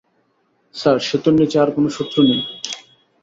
Sir, সেতুর নিচে আর কোনো শত্রু নেই।